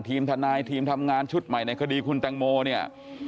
ทีมทนายทีมทำงานชุดใหม่ในคดีคุณแตงโมเนี่ย